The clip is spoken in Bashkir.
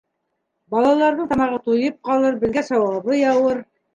Балаларҙың тамағы туйып ҡалыр, беҙгә сауабы яуыр...